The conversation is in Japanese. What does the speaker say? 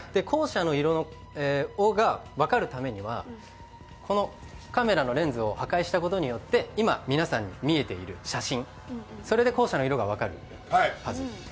校舎の色が分かるためにはこのカメラのレンズを破壊したことによって今、皆さんに見えている写真。